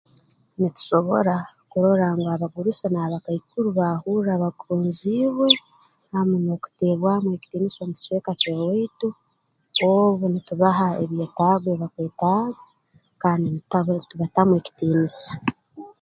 Nitusobora kurora ngu abagurusi n'abakaikuru baahurra bagonziibwe hamu n'okuteebwamu ekitiinisa omu kicweka ky'owaitu obu nitubaha ebyetaago ebi bakwetaaga kandi bata ntubatamu ekitiinisa